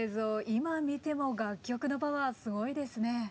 今見ても楽曲のパワーすごいですね。